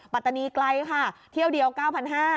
ปัตตานีไกลค่ะเที่ยวเดียว๙๕๐๐บาท